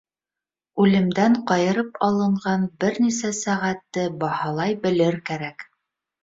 Үлемдән ҡайырып алынған бер-нисә сәғәтте баһалай белер кәрәк.